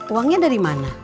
uangnya dari mana